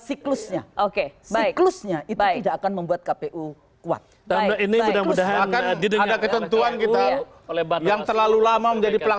itu tidak akan membuat kpu kuat